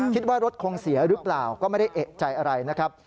คิดว่ารถคงเสียหรือเปล่าก็ไม่ได้เอกใจอะไรนะครับ